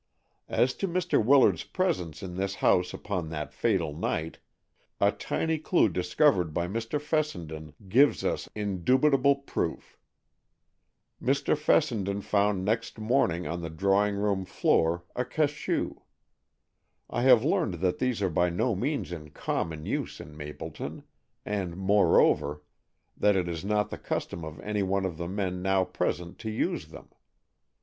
As to Mr. Willard's presence in this house upon that fatal night, a tiny clue discovered by Mr. Fessenden gives us indubitable proof. Mr. Fessenden found next morning on the drawing room floor a cachou. I have learned that these are by no means in common use in Mapleton, and, moreover, that it is not the custom of any one of the men now present to use them.